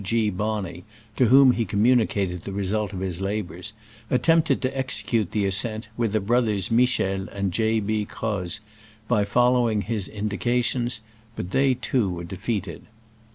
G. Bonney (to whom he communicated the result of his labors) attempted to execute the ascent, with the brotliers Michel and J. B. Croz, by following his indications, but they too were defeated.